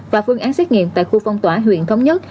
và phương án xét nghiệm tại khu phong tỏa huyện thống nhất